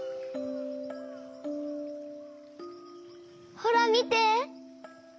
ほらみて！